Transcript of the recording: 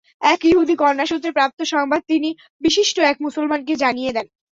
এক ইহুদী কন্যাসূত্রে প্রাপ্ত সংবাদ তিনি বিশিষ্ট এক মুসলমানকে জানিয়ে দেন।